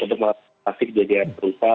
untuk melaksanakan kejadian berupa